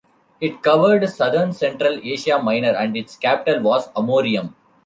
It covered southern central Asia Minor, and its capital was Amorium.